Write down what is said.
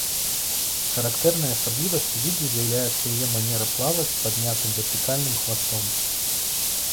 Характэрнай асаблівасцю віду з'яўляецца яе манера плаваць з паднятым вертыкальна хвастом.